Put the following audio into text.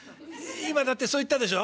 「今だってそう言ったでしょ？